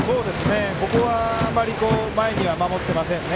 ここはあまり前には守っていませんね。